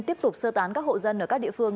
tiếp tục sơ tán các hộ dân ở các địa phương